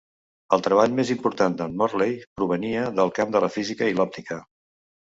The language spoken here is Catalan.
El treball més important de"n Morley provenia del camp de la física i l"òptica.